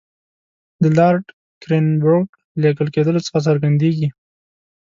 د لارډ کرېنبروک لېږل کېدلو څخه څرګندېږي.